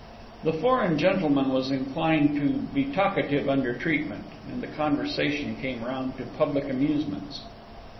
The foreign gentleman was inclined to be talkative under treatment, and the conversation came round to public amusements.